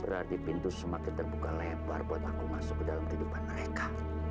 berarti pintu semakin terbuka lebar buat aku masuk ke dalam kehidupan mereka